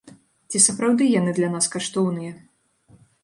Ці сапраўды яны для нас каштоўныя?